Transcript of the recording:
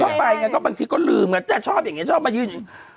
เข้าไปไงก็บางทีก็ลืมอ่ะแต่ชอบอย่างเงี้ยชอบมายืน